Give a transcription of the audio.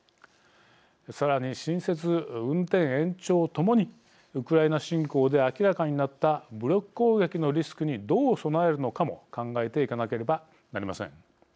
さらに、新設・運転延長ともにウクライナ侵攻で明らかになった武力攻撃のリスクにどう備えるのかも考えていかなければなりません。